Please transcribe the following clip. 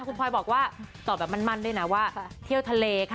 คุณพลอยบอกว่าตอบแบบมั่นด้วยนะว่าเที่ยวทะเลค่ะ